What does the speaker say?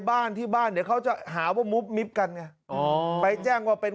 บ้านที่บ้านเดี๋ยวเขาจะหาว่ามุบมิบกันไงอ๋อไปแจ้งว่าเป็น